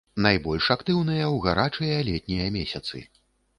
Найбольш актыўныя ў гарачыя летнія месяцы.